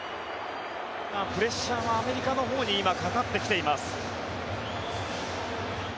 プレッシャーはアメリカのほうに今、かかってきています。